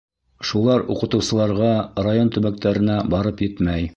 Шулар уҡытыусыларға, район төбәктәренә барып етмәй.